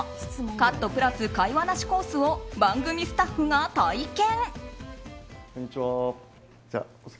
カット＋会話なしコースを番組スタッフが体験。